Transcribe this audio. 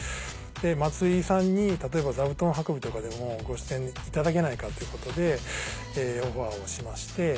松井さんに例えば座布団運びとかでもご出演いただけないかということでオファーをしまして。